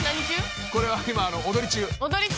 「これは今踊り中」「踊り中？